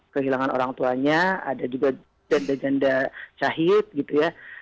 kehilangan orang tuanya ada juga janda janda cahit gitu ya